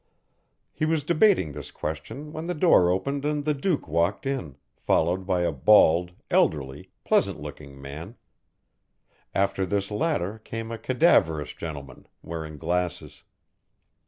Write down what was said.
He was debating this question when the door opened and the Duke walked in, followed by a bald, elderly, pleasant looking man; after this latter came a cadaverous gentleman, wearing glasses.